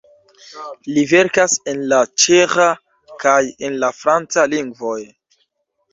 Li verkas en la ĉeĥa kaj en la franca lingvoj.